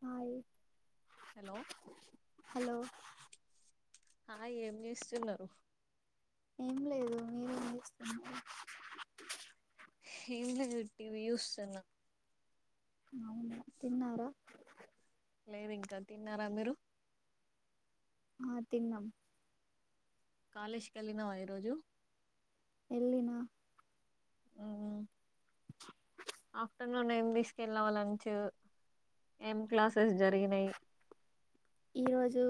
కాదు హలో ఆ ఏం చేస్తున్నారు ఏం లేదు మీరేం చేస్తున్నారు ఎం లేదు టివి చూస్తున్న తిన్నార లేదు ఇంకా తిన్నారా మీరు ఆ తిన్నాం కాలేజ్కి ఎళ్ళినవా ఈరోజు ఎళ్ళినా ఆఫ్టర్నూన్ ఏం తీసుకెళ్ళావా లంచ్ ఏం క్లాసెస్ జరిగినాయి ఈ రోజు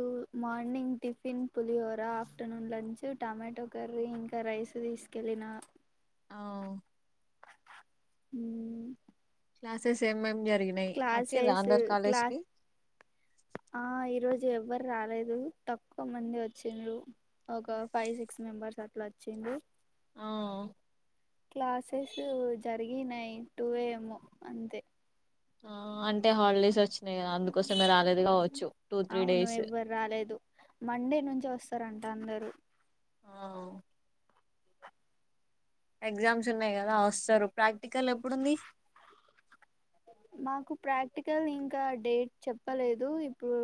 మార్నింగ్ టిఫిన్ పులిహోర ఆఫ్టర్నూన్ లంచ్ టమాటో కర్రీ ఇంకా రైస్ తీసుకెళ్ళిన అఒ ఉమ్ క్లాసెస్ ఏమేం జర్ క్లాసెస్ క్లాస్ ఆ ఈరోజు ఎవరు రాలేదు తక్కువ మంది వచ్చిండ్లు ఒక ఫైవ్ సిక్స్ మెంబర్స్ అట్లా వచ్చిండ్లు ఆ క్లాసెస్ జర్ గినయి టు ఎ ఎమో అంతే ఆ అంటే హాలిడేస్ వచ్చినాయి కదా అందు కోసన్న రాలేదు కావచ్చు టూ త్రీ అవును డేస్ స్తారంట అందరు ఆ ఎగ్జామ్స్ ఉన్నాయి కదా వస్తారు ప్రాక్టికల్ ఎప్పుడుంది మాకు ప్రాక్టికల్ ఇంకా డేట్ చెప్పలేదు ఇప్పుడు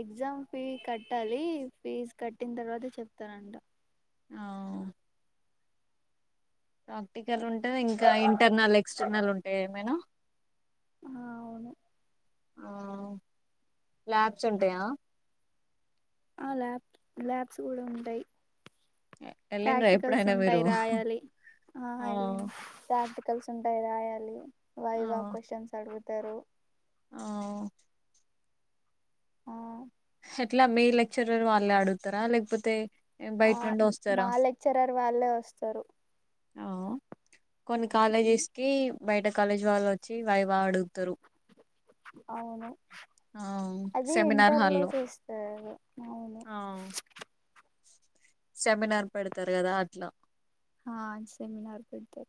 ఎగ్జామ్ ఫీ కట్టాలి ఫీజ్ కట్టిన తర్వాత చెప్తారంట అఓ ప్రాక్టికల్ ఉంటది ఇంకా ఇంటర్నల్ ఎక్స్టర్నల్ ఉంటాయా ఏమైనా ఆ అవును ఆ ల్యాబ్స్ ఉంటాయా ఆ ల్యాబ్ ల్యాబ్స్ కూడా ఉంటాయి వెళ్ళిండ్రా ప్రాక్టికల్స్ ఎప్పుడైనా మీరు ఉంటాయి రాయాలి ఆ కలిసుంటాయి రాయాలి వయివా క్వశ్చన్స్ అడుగుతరు ఆవ్ ఆ ఎట్లా మీ లెక్చరర్ వాళ్ళు అడుగుతారా లేకపోతే ఆ బయట నుండి వస్తారా మా లెక్చరర్ వాళ్ళే వస్తారు ఆ కొన్ని కాలేజెస్ కి బయట కాలేజీ వాళ్ళు వచ్చి వైవా అడుగుతారు అవును ఆ అది సెమినార్ ఇంటర్ లో హాల్లో చేస్తారు ఆ సెమినార్ పెడతారు కదా అట్లా ఆ సెమినార్ పెడితే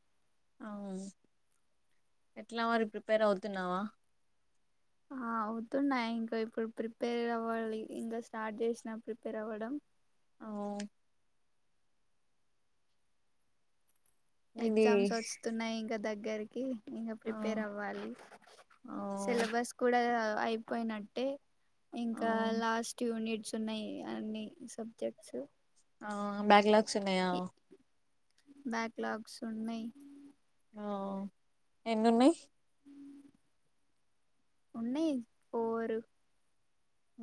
అవు ఎట్లా మరి ప్రిపేర్ అవుతున్నావా ఆ అవుతున్నా ఇంకా ఇప్పుడు ప్రిపేర్ అవ్వాలి ఇంకా స్టార్ట్ చేసినా ప్రిపేర్ అవ్వడం అవు ఇది ఎగ్జామ్స్ వస్తున్నాయి ఇంకా దగ్గరికి ఇంకా ఆ ప్రిపేర్ అవ్వాలి ఆ సిలబస్ కూడా అయిపోయినట్టే ఆ ఇంకా లాస్ట్ యూనిట్స్ ఉన్నాయి అన్ని సబ్జెక్ట్స్ ఆ బ్యాక్ లాగ్స్ ఇన్నాయా బ్యాక్ లాగ్స్ ఉన్నయి ఆ ఎన్నిన్నాయి్ ఉన్నయ్ పోరు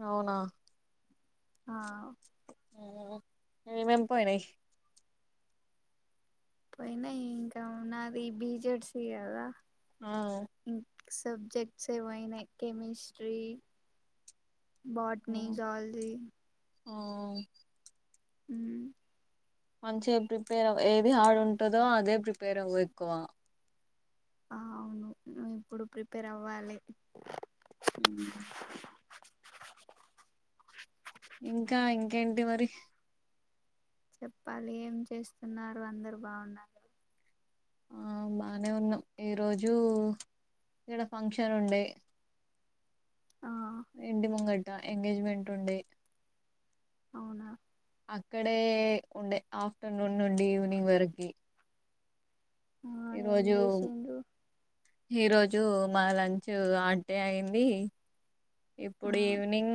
అవునా ఆ మే ఎమెమ్ పోయినాయి పోయినా ఇంకా ఉన్నది బీజెడ్స కదా ఆ సబ్జెక్ట్స్ ఏవయినా కెమిస్ట్రీ బోట్నీ జూలోజి ఆ మ్ మంచిగా ప్రిపేర్వ అవ్వు ఏది హార్డ్ ఉంటందో అదే ప్రిపేర్ అవ్వ ఎక్కువ ఆ అవును ఇప్పుడు ప్రిపేర్ అవ్వాలి ఇంకా ఇంకేంటి మరి చెప్పాలి ఏం చేస్తున్నారు అందరు బాగున్నారు ఆ బానే ఉన్నాం ఈరోజు ఇక్కడ ఫంక్షన్ ఉండే ఆ ఇంటి ముంగట ఎంగేజ్మెంట్ ఉండే అవునా అక్కడే ఉండే ఆఫ్టర్నూన్ నుండి ఈవినింగ్ వరకి ఆ ఏం ఈరోజు చేసిండ్రు ఈ రోజు మా లంచ్ ఆడ్డే అయింది ఆ ఇప్పుడు ఈవినింగ్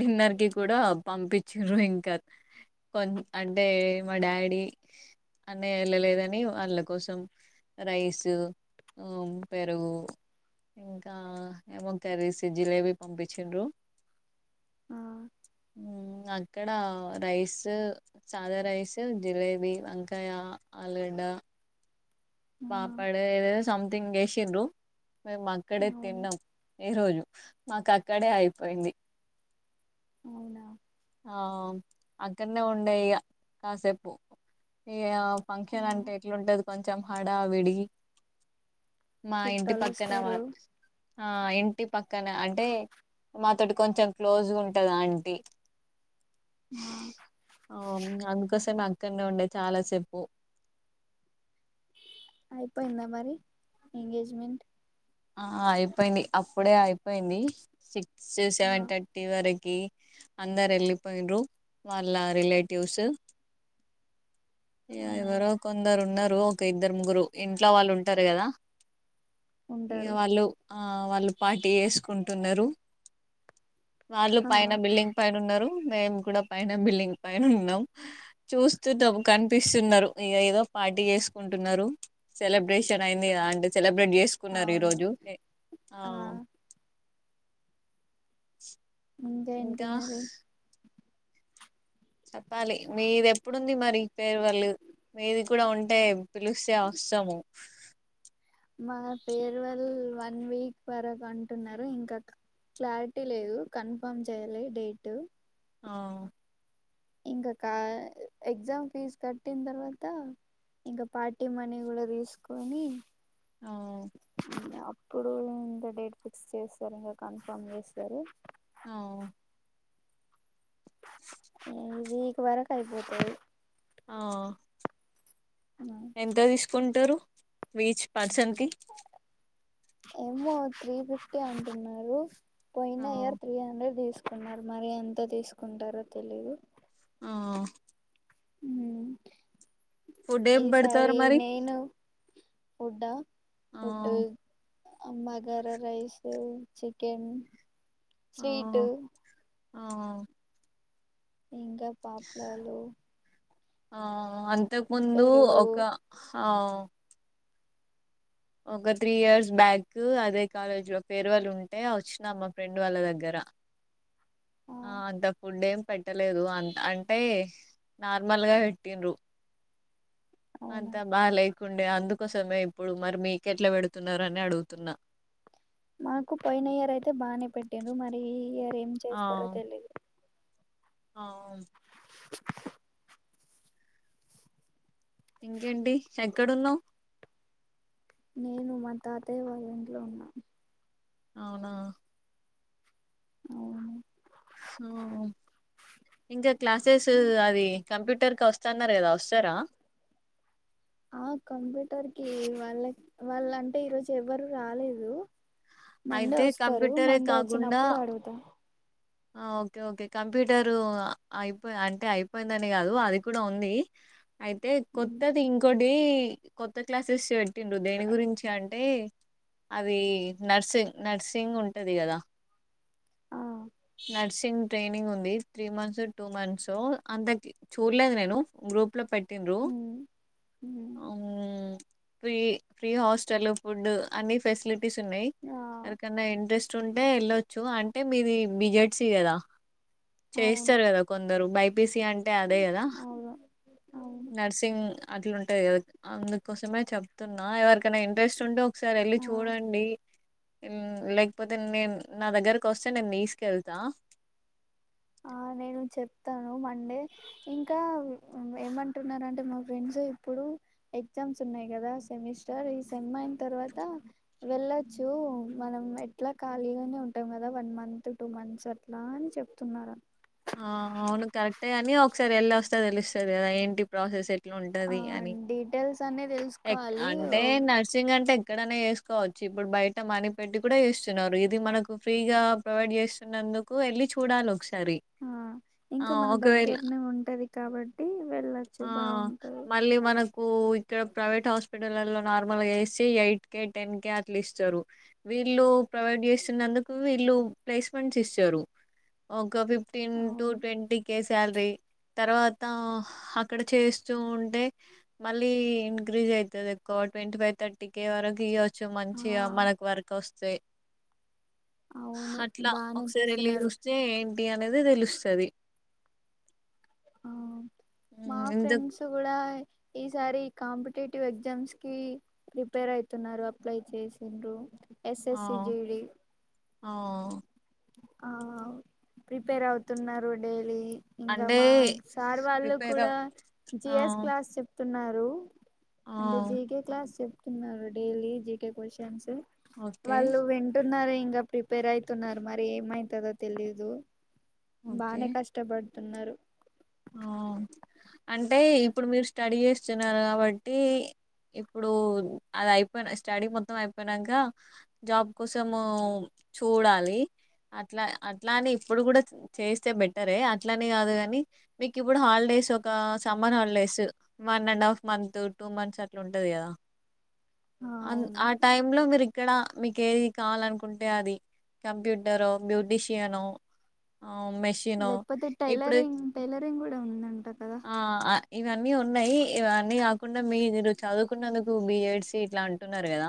డిన్నర్ కి కూడా పంపించ్రు ఇంకా కొన్ అంటే మా డాడీ అన్నయ వెళ్ళలేదని వాళ్ళ కోసం రైస్ ఆ పెరుగు ఇంకా ఏమో కరీస్ జిలేవి పంపించిండ్రు ఆ మ్ అక్కడ రైస్ సాదా రైస్ జిలేబీ వంకాయ ఆలుగడ్డ ద ఆ పాపడ ఏదై సంథింగ్ వేసిండ్రు మేము అక్కడే అవునా తిన్నాం ఈ రోజు మాకు అక్కడే అయిపోయింది అవునా ఆ అక్కడనే ఉండే ఇయా కాసేపు ఇయా ఆ ఫంక్షన్ అంటే ఎట్లాంటది కొంచెం హడా విడి మా ఇంటి చుట్టాలు పక్కన వస్తారు వారు ఆ ఇంటి పక్కన అంటే మాతోటి కొంచెం క్లోజ్ గు వుంటాది ఆంటీ ఆ అ అందుకోసమే ఆక్కనే వుండే చాలా సేపు ఐపోయిందా మరి ఎంగేజ్మెంట్ ఆ అయిపోయింది అప్పుడే అయిపోయింది సిక్స్ ఆ సెవెన్ థర్టీ వరకు కి అందరు వెళ్ళిపోయుండ్రు వాళ్ళ రిలేటివ్స్హు యా అవునా యవారో కొందరు ఉన్నరూ రో ఒక ఇద్దరు ముగ్గురు ఇంట్లో వాళ్ళు ఉంటారు కదా ఇక ఉంటారు వాళ్ళు ఆ వాళ్ళు పార్టీ ఏసుకుంటున్నారు వాళ్ళ ఆ పైన బిల్డింగ్ పైన వున్నారు మేము కూడా పైన బిల్డింగ్ పైన వున్నాం చూస్తూన్నాం కనిపిస్తున్నారు ఇగ ఏదో పార్టీ చేసుకున్టునారు సెలబ్రేషన్ అయిండి గా ఆంటే సెలబ్రేట్ కున్నారు ఈ అవును రోజు ఏ ఆ ఇంకేంటి ఇంకా మరి చెప్పాలి మీది ఎప్పుడుంది మరి ఫెర్వాలు మీది కూడా ఉంటే పిలిస్తే ఆ వస్తాము మా పేర్వల్ వన్ వీక్ వరకు అంటున్నారు ఇంకా క్లారిటీ లేదు కన్ఫామ్ చేయాలే డేటు అవ్ ఇంకా కా ఎగ్జామ్ ఫీజ్ కట్టిన తర్వాత ఇంకా పార్టీ మనీ కూడా తీసుకొని ఆ ఇప్పుడు ఇంకా డేట్ ఫిక్స్ చేసారు ఇంగా కన్ఫామ్ చేస్తారు. అఔ ఇ వీక్ వరకు అయిపోతాది ఆ ఎంత తీసుకుంటారు వీచ్ పర్సన్ కి ఏమో త్రీ ఫిఫ్టీ అంటున్నారు పోయిన ఆ ఇయర్ త్రీ హండ్రెడ్ తీస్ కొన్నారు మరి ఎంత తీసుకుంటారో తెలీదు ఆ ఆ ఉ ఫుడ్ ఏం ఈసారి పెడతారు మరి నేను ఫుడ్డా ఆ ఫుడ్డు అ మగర రైసు చికెన్ ఆ స్వీటు ఆ ఇంకా పాప్నలాలు ఆ అంతకుముందు ఒక ఆవ్ ఒక త్రీ ఇయర్స్ బ్యాకు అదే కాలేజ్ లో పెర్వాల్ వాళ్ళు ఉంటే వచ్చినా మా ఫ్రెండ్ వాళ్ళ దగ్గర. ఆ అంత పుడ్ ఏం పెట్టలేదు అంత్ అంటే నార్మల్ గా పెట్టిన్రు అవునా అంతా బాగా లేకుండే అందుకోసమే ఇప్పుడు మరి మీకెట్లా పెడుతున్నరు అని అడుగుతున్నా. మాకు పోయిన ఇయర్ అయితే బాగానే పెటిన్రు మరి ఈ ఇయర్ ఏం ఆ చేస్తారో తెలిదు. ఆ ఇంకేంటి ఎక్కడున్నావ్ నేను మా తాతయ్య వాళ్ళ ఇంట్లో అవునా ఆఓ ఇంకా క్లాసెసు అది కంప్యూటర్ కొస్తాన్నారు కదా వస్తారా ఆ కంప్యూటర్ కి వాళ్ళ వాళ్ళంటే ఈరోజు ఎవరు రాలేదు. మండే అయితే వస్తారు కంప్యూటరే మండే కాకుండా వచ్చినప్పుడు అడుగుతా ఆ ఓకే ఓకే కంప్యూటరు అ అయిపోయి అంటే అయిపోయిందని కాదు అది కూడా ఉంది. అయితే ఉమ్, కొత్తది ఇంకొట్ దే కొత్త క్లాసెస్ పెట్టిండ్రు దేని గురించి అంటే అది నర్సింగ్ నర్సింగ్ ఉంటది కదా ఆ నర్సింగ్ ట్రైనింగ్ ఉంది three months so two months so అంత చూడలేదు నేను. గ్రూప్ లో పెట్టిన్రు ఉ ఉ ఫ్రీ ఫ్రీ హాస్టల్ ఫుడ్ అన్ని ఫెసిలిటీస్ ఉన్నాయ్ ఆ ఎవరికన్నా ఇంట్రెస్ట్ ఉంటే వెళ్ళొచ్చు అంటే మీది బిజెట్సి కదా అవును చేయిస్తారు కదా కొందరు బైపిసి అంటే అదే కదా. అవును అవును నర్సింగ్ అట్లాంటాది కదా అందుకోసమే చెప్తున్నా ఎవరికైనా ఇంట్రెస్ట్ ఉంటే ఒకసార వెళ్లి ఆ చూడండి లేకపోతే నేను నా దగ్గరకు వస్తే నేను తీసుకెళ్తా ఆ నేను చెప్తాను మండే ఇంకా ఏమంటున్నంటే మా ఫ్రెండ్స్ ఇప్పుడు ఎగ్జామ్స్ ఉన్నాయి కదా సెమిస్టర్ ఈ సెమ్ అయిన తర్వాత వెళ్లచ్చు మనం ఎట్లా ఖాళీగానే ఉంటాం కదా వన్ మంత్ టూ మంత్స్ అట్లా అని చెప్తున్నారు ఆ అవును కరెక్ట్ గాని ఒకసారి వేలస్తే తెలుస్తుంది కదా ఏంటి ప్రాసెస్ ఎ ఇట్లా ఆ ఉంటది అని డీటెయిల్స్ అన్ని ఎక్ తెలుసుకోవాలి అంటే నర్సింగ్ అంటే ఎక్కడనే చేసుకోవచ్చు ఇప్పుడు బయట మనీ పెట్టి కూడా చేస్తున్నారు ఇది మనకు ఫ్రీగా ప్రొవైడ్ చేస్తునార్ ఎందుకు ఎళ్లి చూడాలి ఒక్ ఆ ఇంకా మన దగ్గరనే ఉంటది కాబట్టి వెళ్ళొచ్చు ఆ బాగుంటది మళ్ళీ మనకు ఇక్కడ ప్రవేట్ హాస్పిటల్లో నార్మల్గా చెస్తే ఎయిట్ కే టెన్ కే అట్లా ఇస్తారు వీళ్ళు ప్రొవైడ్ చేస్తున్నందుకు వీళ్ళు ప్లేస్మెంట్స్ ఇస్తారు ఒక ఫిఫ్టీన్ టు అవును ట్వంటీ కే శాలరీ తర్వాత ఇక్కడ చేస్తూ ఉంటే మళ్ళీ ఇంక్రీజ్ అయితది ఒక ట్వంటీ ఫై థర్టీ కే వరకు ఇయ్య కొంచం ఆ మంచిగా మనకు వర్క్ వస్తే అవును హట్లా బానే ఒకసారి వెళ్ళి చేస్తున్నారు చూస్తే ఏంటి అ అనేది తెలుస్తుంది ఆ మా ఇంత ఫ్రెండ్స్ కూడా ఈసారి కాంపిటేటివ్ ఎగ్జామ్స్ కి ప్రిపేర్ ఐతున్నారు. అప్లైయి చేసిన్రు స్ స్ ఆ సి జీడీ ఆ ఆ ఔ ప్రిపేర్ అవుతున్నారు డేలీ ఇంకా అంటే మా సార్ వాళ్ళు ప్రిపేర్ కూడా అవ్ జి ఆ ఎస్ క్లాస్ చెప్తున్నారు. ఆ! అంటే జి కే క్లాస్ చెప్తున్నారు daily G K questions okay. వాళ్ళు వింటున్నారు. ఇంకా ప్రిపేర్ అయితున్నారు. మరి ఏమైతుందో తెలీదు ఓకే. బానే కష్టపడుతున్నారు ఆ అంటే ఇప్పుడు మీరు స్టడీ చేస్తున్నారు కాబట్టి ఇప్పుడు అది అయిపో స్టడీ మొత్తం అయిపోయినాక జాబ్ కోసం చూడాలి అట్లా అట్లాని ఇప్పుడు కూడా చేస్తే బెటరే అట్లానే కాదు కాని మీకు ఇప్పుడు హాలిడేస్ ఒక summer holidays one and half month two months అట్లా ఉంటాది కదా ఆ అద్ అవును ఆ టైమ్ లో మీరు ఇక్కడ మీకు ఏది కావాలనుకుంటే అది కంప్యూటరో బ్యూటీషియనో ఆ మెషినో లేకపోతే ఇప్పుడు టైలరింగ్ టైలరింగ్ కూడా ఉందంట కదా ఆ ఆ ఇవన్నీ ఉన్నాయి ఇవన్నీ కాకుండా మీరు చదువుకున్నందుకు బి ఎడ్సి ఇట్లా అంటున్నారు కదా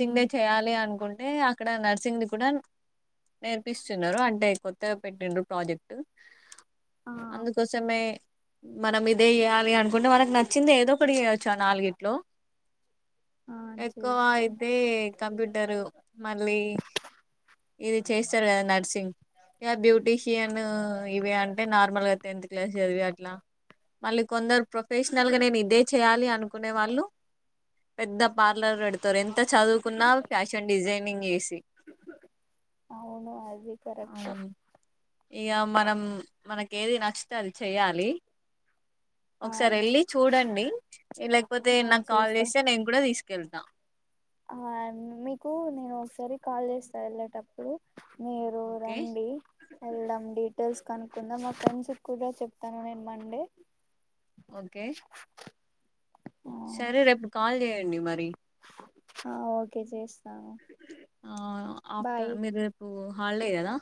ఉమ్ చేయాలి అనుకుంటే అక్కడ నర్సింగ్ది కూడా నేర్పిస్తున్నారు అంటే కొత్తగా పెట్టిండ్ర ప్రాజెక్ట్ ఆ అందుకోసమే మనం ఇదే చెయాలి అనుకుంటే మనకు నచ్చింది ఏదో ఒకటి చేయొచ్చు ఆ నాలుగిట్లో ఆ ఎక్కువ చేస్తా అయితే కంప్యూటరు. మళ్ళీ ఇది చేస్తారు కదా నర్సింగ్ ఇక బ్యూటీషియన్ ఇవి అంటే నార్మల్ గా టెన్త్ క్లాస్ చదివి ఆ ట్లా మళ్ళీ కొందరు ప్రొఫెషనల్ గా నేను ఇదే చేయాలి అనుకు కునే వాళ్ళు పెద్ద పార్లర్ పెడతారు. ఎంత చదువుకున్నా ఫ్యాషన్ డిజైనింగ్ చే అవును అది కరెక్ట్ ఇగ మనం మనకి ఏది నచ్చితే అది చెయ్యాలి ఆ ఒకసారి వెళ్ళి చూడండి లేకపోతే ఆ నాక్ కాల్ చూస్తా చేస్తే నేను కూడా తీసుకు కెళ్తా ఆ మీకు నేను ఒకసారి కాల్ చేస్తా వెళ్ళేటప్పుడు మీరు ఓకే రండి ఎల్దాం టల్స్ కనుక్కుందాం మా ఫ్రెండ్స్ కూడ చెప్తాను నేను మండే ఓకే సరే రేపు కాల్ చేయండి మరి ఆ ఓకే చేస్ ఆ ఆఫ్టర్ మీరు రేపు హల్డే కదా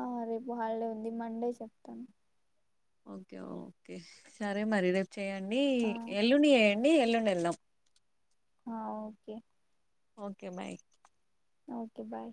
ఆ రేపు హాలిడే అండి మండే చెప్తాను ఓకే ఓకే సరే మరి రేపు చెయ్యడి ఆ ఎల్లుండి చేయండి డి ఎల్లుండి వెళ్దాం ఆ okay okay bye okay bye